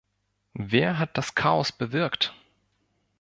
Wer hat das Chaos bewirkt?